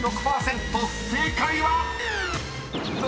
［正解は⁉］